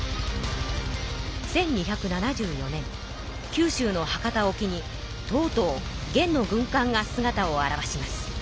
九州の博多沖にとうとう元の軍かんがすがたを現します。